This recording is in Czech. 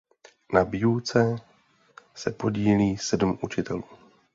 Na výuce se podílí sedm učitelů.